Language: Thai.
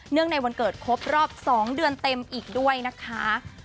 ในวันเกิดครบรอบ๒เดือนเต็มอีกด้วยนะคะ